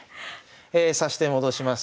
指し手戻します。